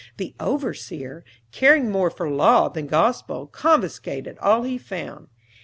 The overseer, caring more for law than gospel, confiscated all he found.